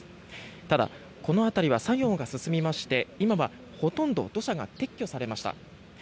ただ、この辺りは作業が進みまして今はほとんど土砂が撤去されました。